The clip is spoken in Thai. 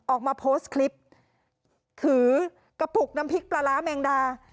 ออกมาโพสต์คลิปถือกระปุกน้ำพริกปลาร้าแมงดา